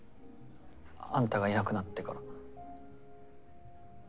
あんたがいなくなってから。